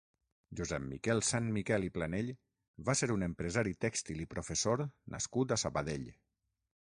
Josep Miquel Sanmiquel i Planell va ser un empresari tèxtil i professor nascut a Sabadell.